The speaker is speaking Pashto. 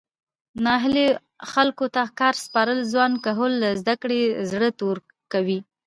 نااهلو خلکو ته کار سپارل ځوان کهول له زده کړو زړه توری کوي